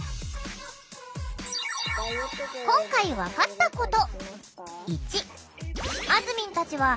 今回分かったこと！